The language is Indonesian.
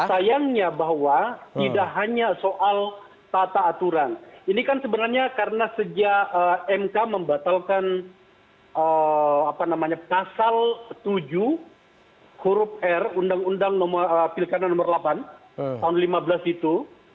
sayangnya bahwa tidak hanya soal tata aturan ini kan sebenarnya karena sejak mk membatalkan pasal tujuh huruf r undang undang pilkada nomor delapan tahun lima belas itu